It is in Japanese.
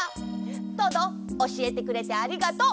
トドおしえてくれてありがとう。